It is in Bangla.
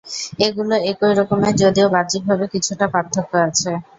এগুলো একই রকমের যদিও বাহ্যিকভাবে কিছুটা পার্থক্য আছে।